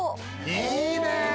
いいね！